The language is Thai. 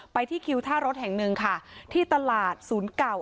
ไปที่คิวท่ารถแห่งหนึ่งค่ะที่ตลาดศูนย์เก่า